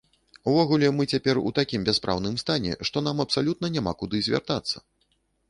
Увогуле мы цяпер у такім бяспраўным стане, што нам абсалютна няма куды звяртацца.